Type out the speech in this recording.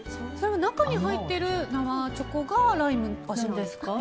中に入っている生チョコがライムなんですか。